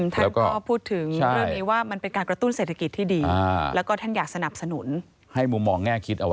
ท่านพอพูดถึงเรื่องนี้ว่ามันเป็นการกระตุ้นเศรษฐกิจที่ดีแล้วก็ท่านอยากสนับสนุน